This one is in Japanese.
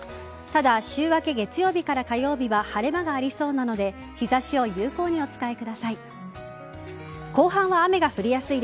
ただ、週明け月曜日から火曜日は晴れ間がありそうなので日差しを有効にお使いください。